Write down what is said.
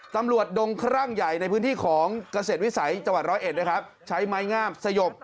ตำรวจดงคลั่งใหญ่ในพื้นที่ของเกษตรวิสัยจัวร์๑๐๑ใช้ไม้ง่ามสยบ